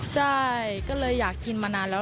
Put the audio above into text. ใช่ก็เลยอยากกินมานานแล้ว